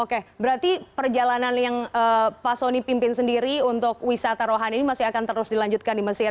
oke berarti perjalanan yang pak soni pimpin sendiri untuk wisata rohani ini masih akan terus dilanjutkan di mesir